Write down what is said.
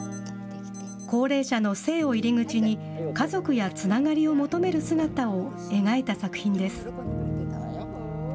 高齢者の性を入り口に、家族やつながりを求める姿を描いた作品です。